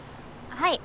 はい。